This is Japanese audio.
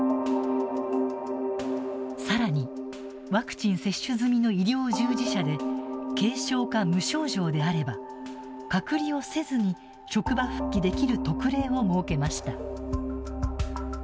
さらに、ワクチン接種済みの医療従事者で軽症か無症状であれば隔離をせずに職場復帰できる特例を設けました。